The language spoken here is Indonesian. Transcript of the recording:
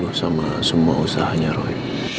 kamu mau berubah